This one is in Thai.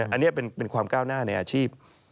อันนี้เป็นความก้าวหน้าในอาชีพ